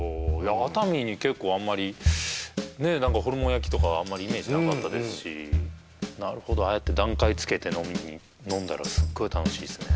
熱海に結構あんまりねえホルモン焼きとかあんまりイメージなかったですしああやって段階つけて飲んだらすっごい楽しいですね